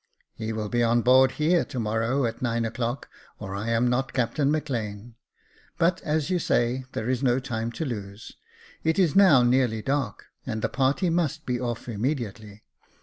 " He will be on board here to morrow, at nine o'clock, or I am not Captain Maclean. But, as you say, there is no time to lose. It is now nearly dark, and the party must be off immediately.